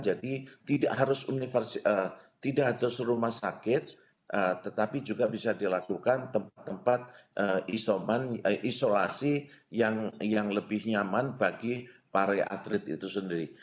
jadi tidak harus rumah sakit tetapi juga bisa dilakukan tempat tempat isolasi yang lebih nyaman bagi para atlet itu sendiri